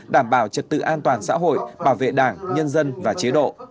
đảm bảo trật tự an toàn xã hội bảo vệ đảng nhân dân và chế độ